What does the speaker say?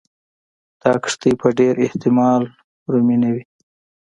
دا کښتۍ په ډېر احتمال رومي نه وې.